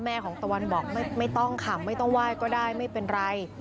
ของตะวันบอกไม่ต้องค่ะไม่ต้องไหว้ก็ได้ไม่เป็นไร